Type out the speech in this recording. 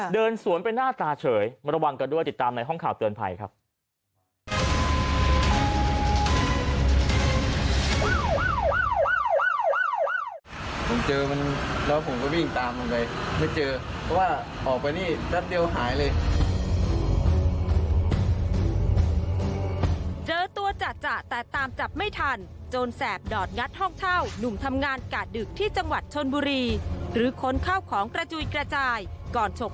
เดินสวนไปหน้าตาเฉยมาระวังกันด้วยติดตามในห้องข่าวเตือนภัยครับ